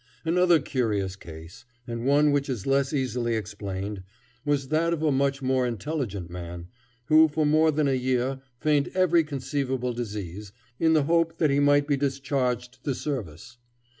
Another curious case, and one which is less easily explained, was that of a much more intelligent man, who for more than a year feigned every conceivable disease, in the hope that he might be discharged the service.